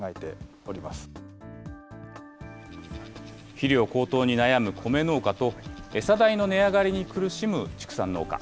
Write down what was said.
肥料高騰に悩む米農家と、餌代の値上がりに苦しむ畜産農家。